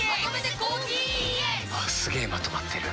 すげえまとまってる。